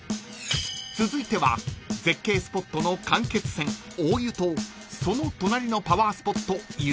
［続いては絶景スポットの間欠泉大湯とその隣のパワースポット湯前神社へ］